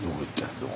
どこ？